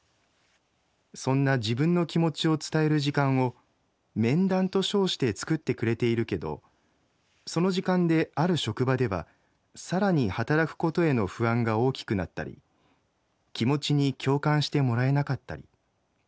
そんな自分の気持ちを伝える時間を“面談”と称して作ってくれているけどその時間である職場ではさらに働くことへの不安が大きくなったり気持ちに共感してもらえなかったり。